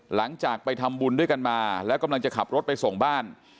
หลังจากไปทำบุญด้วยกันมาแล้วกำลังจะขับรถไปส่งบ้าน